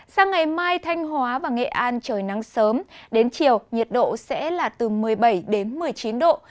sang ngày mai thanh hóa và nghệ an trời nắng sớm đến chiều nhiệt độ sẽ là từ một mươi bảy đến một mươi chín độ